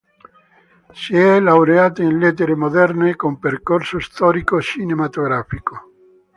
Si è laureata in lettere moderne con percorso storico-cinematografico.